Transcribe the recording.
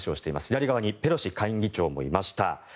左側にペロシ下院議長もいました。